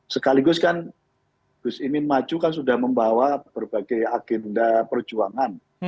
sekaligus kan gus imin maju kan sudah membawa berbagai agenda perjuangan